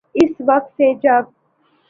اس وقت سے جب